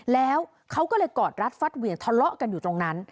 แล้วเขาก็เลยกอดรัดฟัดเหวี่ยงทะเลาะกันอยู่ตรงนั้น